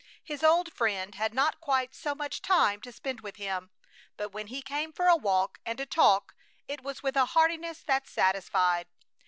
His old friend had not quite so much time to spend with him, but when he came for a walk and a talk it was with a heartiness that satisfied.